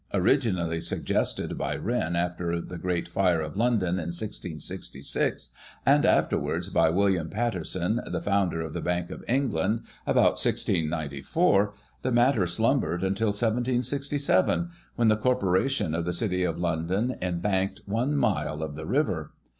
Originally suggested by Wren after the great fire of London in 1666, and afterwards by William Paterson, the founder of the Bank of England, about 1694, the matter slumbered until 1767, when the Corporation of the City of London embanked one mile of the river.